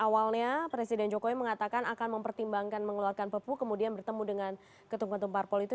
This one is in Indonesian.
awalnya presiden jokowi mengatakan akan mempertimbangkan mengeluarkan prk kemudian bertemu dengan ketum ketum parpol itu